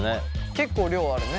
結構量あるね。